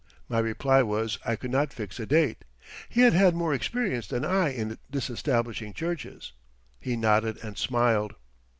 My reply was I could not fix a date; he had had more experience than I in disestablishing churches. He nodded and smiled.